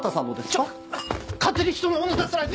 ちょっ勝手に人のもの出さないで！